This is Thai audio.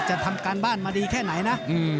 ทำการบ้านมาดีแค่ไหนนะ